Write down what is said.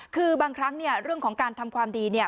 คือบางครั้งเนี่ยเรื่องของการทำความดีเนี่ย